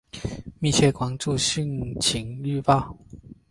密切关注汛情预报